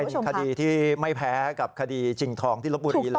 เป็นคดีที่ไม่แพ้กับคดีชิงทองที่ลบบุรีเลย